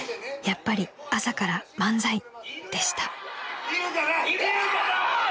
［やっぱり朝から漫才でした］